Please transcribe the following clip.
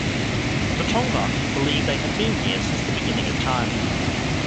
The Tongva believe they have been here since the beginning of time.